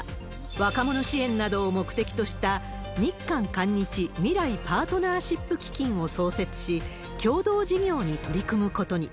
若者支援などを目的とした、日韓・韓日未来パートナーシップ基金を創設し、共同事業に取り組むことに。